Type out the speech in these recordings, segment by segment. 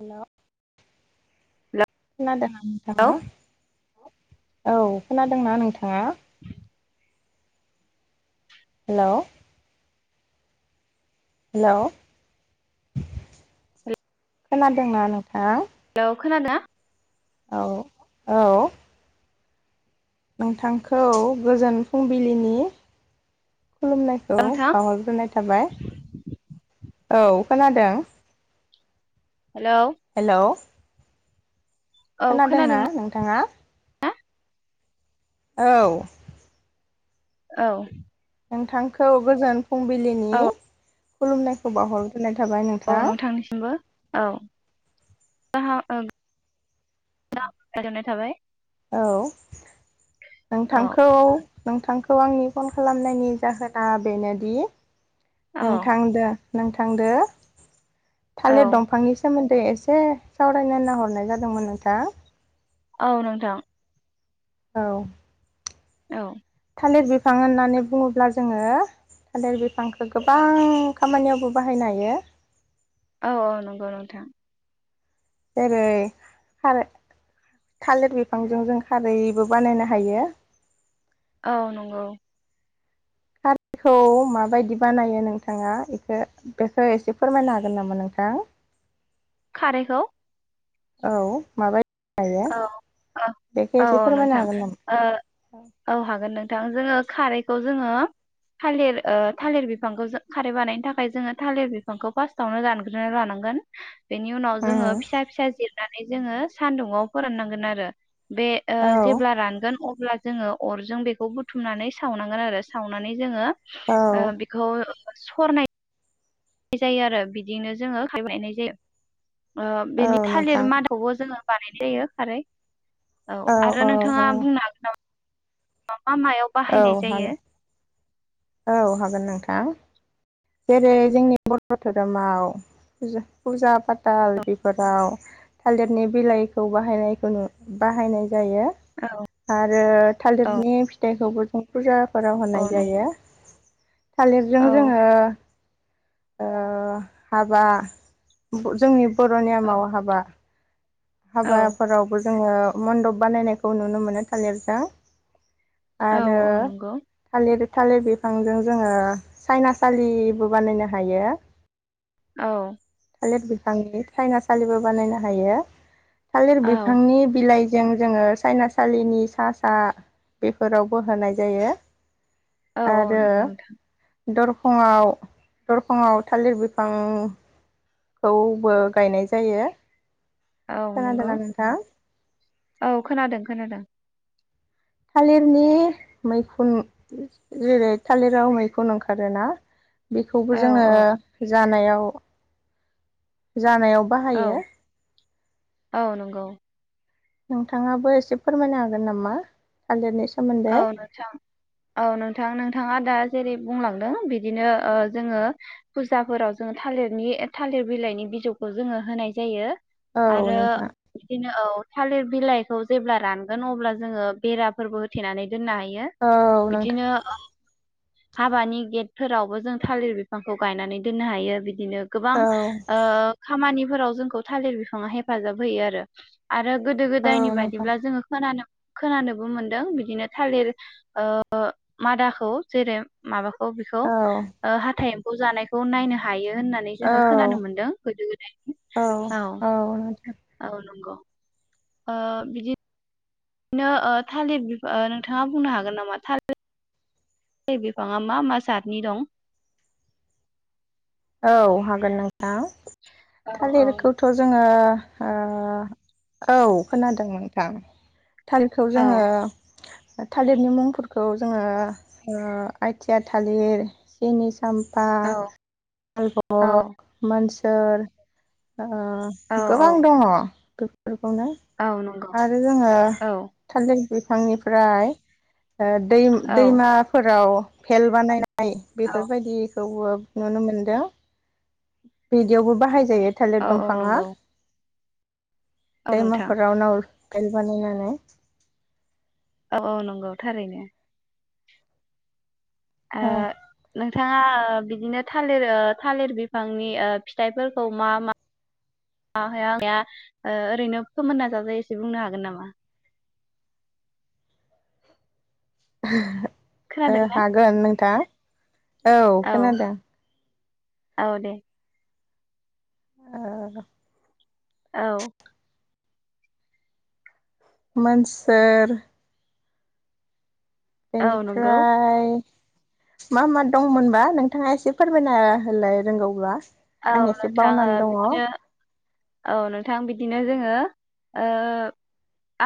Hello! खोनादों ना hello नोंथाङा? औ खोनादोंना नोंथाङा? [inaudible] हेलौ! हेलौ! खोनादोंना नोंथाङा? हेलौ! खोनादो ना? औ औ। नोंथांखौ गोजोन फुंबिलिनि खुलुमनायखौ नोंथां बाहरग्रोनाय थाबाय। औ खोनादों। Hello hello! औ खोनादों ना खोनादोंना नोंथाङा? औ। औ। नोंथांखौ गोजोन फुंबिलिनि औ खुलुमनायखौ बावहर ग्रोनाय थाबाय औ नोंथां। नोंथांनिसिमबो औ [inaudible] गोजोननाय थाबाय औ औ नोंथांखौ नोंथां खौ आंनि फन खालामनायनि जाहोना बेनोदि औ नोंथांदो नों थांदो औ थालिर दंफांनि सोमोन्दै एसे बे सावरायनो नाहरनाय जादोंमोन नोंथां औ नोंथां औ औ थालेर बिफां होननानै बुङोब्ला जोंङो थालेर बिफांखौ गोबां खामानियावबो बाहायनो हायो । औ औ नंगौ नोथां जेरै खार थालिर बिफांजों जों खारैबो बानायनो हायो । औ नंगौ खारिखौ माबायदि बानायो नोंथाङा इखौ बेखौ एसे फोरमायनो हागोन नामा नोंथां? खारैखौ औ मा बाय औ औ औ एसे फोरमायनो नोंथां हागोन नामा ओ औ हागोन नोंथां जोङो खारैखौ जोङो थालिर ओ थालिर बिफांखौ जो खारै बानायनो थाखाय जोङो थालिर बिफांखौ फार्स्टावनो दानग्रोना लानांगोन बेनि उनाव जोंङो उम फिसा फिसा जि रनानै जोङो सान्दुंवाव फोराननांगोन आरो बे ओ औ जेब्ला रानगोन अ ब्ला जोंङो अरजों बेखौ बुथुमनानै सावनांगोन आरो सावनानै जोंङो औ ओ बेखौ सरनाय नाय जायो आरो बिदिनो जोङो खार बानायनाय जायो । ओ औ बेनि थालिर नोंथां मादाखोबो जोङो बानानायजायो खारै औ आरो नोंथाङा बुंनो हागोन नामा मा मायाव औ बाहायनाय हागोन जायो? औ हागोन नोंथां जेरै जोंनि बर धोरोमाव फुजा फाथाल बेफोराव थालिरनि बिलाइखौ बाहायनायखौ नु बाहायनाय जायो आरो औ थालिरनि फिथाइखौबो जों फुजाफोराव औ होनाय नंगौ जायो । थालिरजों औ जोङो ओ हाबा जोंनि औ बर'नियामाव हाबा औ हाबाफोरावबो जोङो मन्दप बानायनायखौ नुनो मोनो थालिरजों औ आरो औ नंगौ थालिर थालिर बिफांजों जोङो सायनासालिबो बानायनो हायो औ थालिर बिफांनि थायनासालिबो बानायनो हायो थालिर औ बिफांनि बिलाइ जों जोङो सायनासालिनि सा सा बेफोरावबो होनाय जायो औ औ नंगौ नोंथां दरफआव दरफंआव थालिर बिफां खौबो गायनाय जायो औ नंगौ खोनादोंना नोंथां औ खोनादों खोनादों थालिरनि मैखुन जेरै थालिराव मैखुन ओंखारोना औ बेखौबो जोङो जानायाव अ जानायाव बाहायो औ औ नंगौ नोंथाङाबो एसे फोरमायनो हागोन नामा थालिरनि औ सोमोन्दै नोंथां औ नोंथां नोंथाङा दा जेरै बुंलांदों बिदि बिदिनो औ जोङो फुजाफोराव जोङो थालिरनि थालिर बिलाइनि बिजौखौ जोङो होनाय जायो औ आरो नोंथां बिदिनो औ थालिर बिलाइखौ जेब्ला रानगोन अब्ला जोङो बेराफोरबो थेनानै दोननो हायो औ नोंथां बिदिनो हाबानि गेटफोरावबो जों थालिर बिफांखौ गायनानै दोननो हायो बिदि बिदिनो गोबां औ ओ खामानिफोराव जोंखौ थालिर बिफाङा हेफाजाब होयो आरो आरो गोदो औ गोदायनि नोंथां बायदिब्ला जोङो खोनानो खोनानोबो मोनदों बिदिनो थालिर ओ मादाखौ जेरै माबाखौ औ बेखौ औ हाथाय खौ जानायखौ नायनो हायो होननानै औ जोङो खोनानो मोनदों गोदो गोदायनि औ औ नंगौ ओ बिदि बिनो ओ थालिर नोंथाङा बुंनो हागोन नामा थालिर बे बिफाङा मा मा जातनि दं औ हागोन नों हा औ औ थालिरखौथ जोङो ओ औ खोनादों नोंथां। थालिरखौ औ जोङो थालिरनि मुंफोरखौ जोङो ओ आइथिआ थालिर जिनिस चामफा औ औ मालभग मोनसोर ओ औ गोबां औ दङ। गोग गोग बेखौनो औ नंगौ आरो जोङो औ थालिर बिफांनिफ्राय दै औ दैमाफोराव भेल बानायनाय नाय औ बेफोरबायदि बौओब नुनो मोनदों बिदियावबो बाहाय जायो थालिर औ औ दंफाङा। नंगौ औ नोंथां दैमाफोराव नाव भेल बानायनानै। औ औ नंगौ थारैनो। ओ औ नोंथाङा था ओ बिदिनो थालिर ओ थालिर बिफांनि ओ फिथाइफोरखौ मा मा मायाहा जाया ओ ओरैनो फोमोनना जाजायो एसे बुंनो हागोन नामा? [unintelligible] ओ खोनादोंना? हागोन नोंथां। औ खोनादों। औ दे। ओ औ। मोनसोर औ नंगौ बेनिफ्राय मा मा दंमोनबा नोंथाङा एसे फोरमायना होलाय रोंगौब्ला। औ आं एसे नोंथां ओ बावनानै दङ औ बिदिनो औ नोंथां बिदिनो जोङो ओ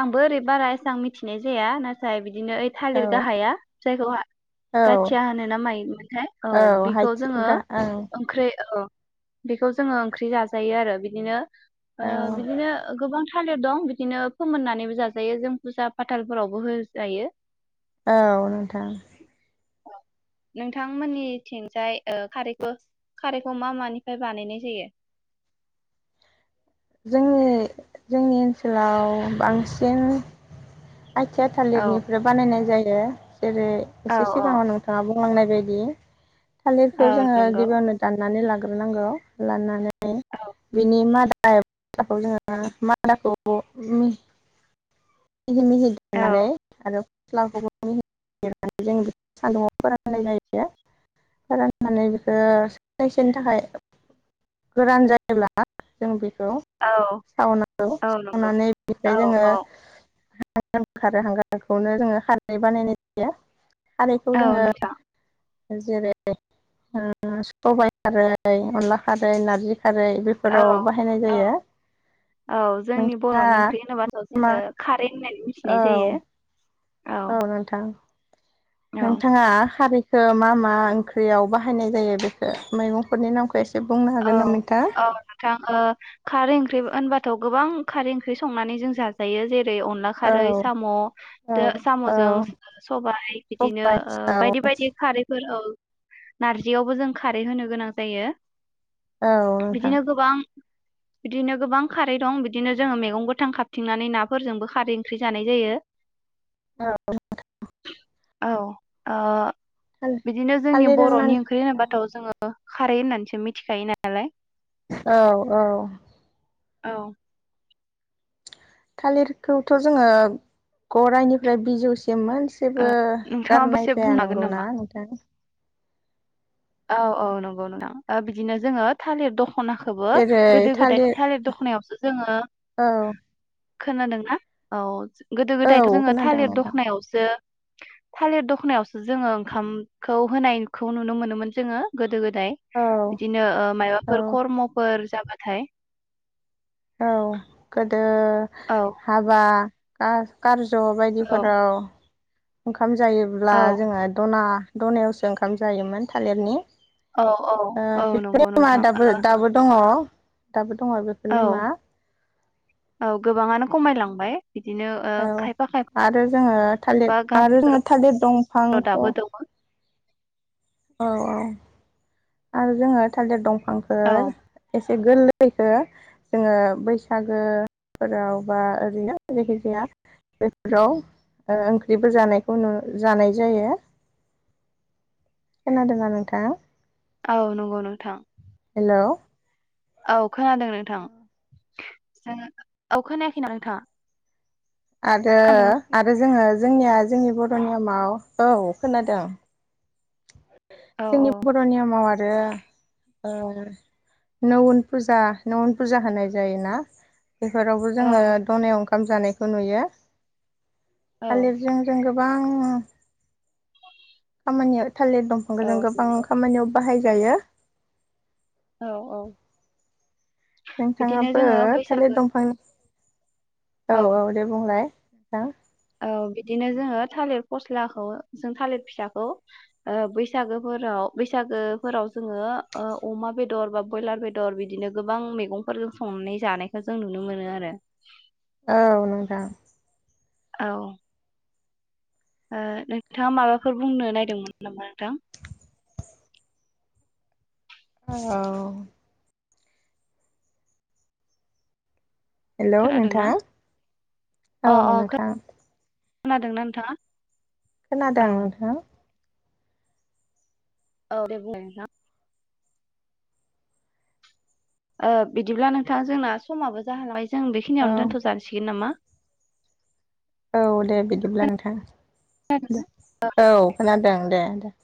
आंबो ओरै बारा एसेबां मिथिनाय जाया नाथाय बिदि बिदिनो ओइ थालिर गाहाया जायखौ औ गाथिया होनो ना मायोमोनथाय औ बेखौ हायथि जोङो गा ओं ओंख्रै औ। बेखौ जोङो ओंख्रि जाजायो आरो बिदिनो ओ औ बिदिनो गोबां थालिर दं बिदिनो फोमोन्नानैबो जाजायो जों फुजा फाथालफोरावबो होजायो। औ नोंथां नोंथांमोन्निथिंजाय ओ खारैखौ खारैखौ मा मानिफ्राय बानायनाय जायो? जोंनि जोंनि ओन्सोलाव बांसिन आथिया औ थालिरनिफ्राय बानायनाय जायो। [unintelligible] जेरै औ एसे सिगाङाव नोंथाङा बुं बुंनाय बायदि थालिरखौ औ जोङो नंगौ गिबियावनो दाननानै लाग रोनांगौ लानानै औ बिनि मादा खौ जोङो मादाखौ मि मिहि मिहि दाननानै औ आरो फस्लाखौबो मिनानै जों [inaudible] सान्दुंआव फोराननाय जायो। फोराननानै बेखौ साननैसोनि थाखाय गोरान जायोब्ला जों बे गौ औ सावनांगौ औ नंगौ सावनानै औ बेनिफ्राय जोङो औ हांगारबो ओंखारो हांगारखौनो जोङो खारै बानायनाय जायो। खारैखौ औ जोङो नोंथां जेरै ओ सबाय खारै, अनला खारै, नार्जि खारै औ बेफोराव बाहायनाय औ जायो। औ जोंनि नोंथाङा बर'नि ओंख्रि होनोबाथ मा जोङो खारै होन्नानै मिथिनाय औ जायो। औ नोंथां। औ नोंथाङा खारै खौ मा मा ओंख्रियाव बाहायनाय जायो बेखौ मैगंफोरनि नामखौ एसे बुंनो औ हागोन नामा नोंथां औ नोंथां ओ खारै ओंख्रि होनबाथाय गोबां खारै ओंख्रि संनानै जों जाजायो जेरै जेरै अनला औ खारै, औ सामदों औ सामजों सबाय बिदिनो सबाय ओ औ बायदि बायदि खारैफोर ओ नार्जियावबो जों खारै होनो गोनां जायो। औ नोंथां। बिदिनो गोबां बिदिनो गोबां खारै दं बिदिनो जोङो मैगं गोथां खाबथिंनानै नाफोरजोंबो खारै ओंख्रि जानाय जायो। औ। [unintelligible] औ ओ। बिदिनो जोंनि थालिर बर'नि ओंख्रि होननानै होनोब्लाथ जोङो खारै होननानैसो मि थिखायो नालाय औ औ औ थालिरखौथ जोङो गरायनिफ्राय बिजौसि म मोनसेबो नोंथाङाबो गारनाय एसे जाया बुंनो हागोन नामा? नंगौना नोंथां? औ औ नंगौ नोंथां ओ बिदिनो जोङो थालिर दख खनाखौबो गोदो गोदाय थालिर दखनायावसो जोङो औ खोनादोंना औ गोदो औ गोदायथ जोङो खोनादों थालिर नोंथां दखनायावसो थालिर दखनायावसो जोङो ओंखामखौ होनायखौ नुनो मोनोमोन। जोंङो गोदो गोद औ [unintelligible] बिदिनो ओ माबाफोर औ खर्मफोर जाबा थाय ओ औ हाबा आ आ खार्ज ज औ बायदिफोराव ओंखाम जायोब्ला औ जोङो दना दनायावसो ओंखाम जायोमोन थालिरनि औ औ ओ औ बेफोर नंगौ मा नोंथां दाबो ओ दाबो दङ दाबो दंङ औ नोमा औ गोबाङानो खमायलांबाय बिदिनो ओ औ खायफा खायफा आरो जोङो थालिर आरो जोङो गामिफोराव थालिर दंफांखौ दाबो दङ औ औ आरो जोङो थालिर औ दंफांफोर एस एसे गोरलैखो जोङो बैसागोफोराव बा ओरैनो जायखि जाया बेफोराव ओ ओंख्रिबो जानायखौ नु जानाय जायो। खोनादोंना नोंथाङा औ नंगौ नोंथां हेलौ औ खोनादों नोंथां जों औ खोनायाखैना नोंथाङा आरो खोनादोंना? आरो जोङो जोंनिया जोंनि बर'नियमाव औ खोनादों औ जोंनि ब'र नियमा रो ओ नोवन फुजा नोवन फुजा होनाय जायोना बेफोरावबो औ जोङो दनायाव ओंख खाम जानायखौ नुयो। औ थालिरजों जों गोब बां [inaudible] मानिआ थालिर दंफांखो औ जों गोबां नंगौ खामानियाव बाहायजायो औ औ [inaudible] बिदिनो नोंथाङाबो जोङो थालिर बैसागो दंफां औ औ दे बुंलाय। हा औ बिदिनो जोङो थालिर फस्लाखौ जों थालिर फिसाखौ ओ बैसागोफोराव बैसागोफोराव जोङो ओ अमा बेदर बा ब्रयलार बेदर बिदिनो गोबां मैगंफोरजों संनाय जानायखौ जों नुनो मोनो आरो औ नोंथां। औ ओ नोंथाङा माबाफोर बुंनो नायदोंमोन नामा नोंथां? औ। हेलौ नोंथां खोनादोंना? अ औ अ नोंथां खोनादोंना नोंथाङा? खोनादों औ नोंथाङा? औ दे बुंनाय नोंथां। ओ बिदिब्ला नोंथां जोंना समाबो जाहांबाय जों बेखिनियावनो औ दोनथ'जासिगोन नामा औ दे बिदिब्ला नोंथां दे औ खोनादों दे दे। [inaudible]